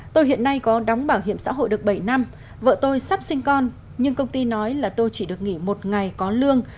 tôi hiện nay có đóng bảo hiểm xã hội được bảy năm vợ tôi sắp sinh con nhưng công ty nói là tôi chỉ được nghỉ một ngày có lương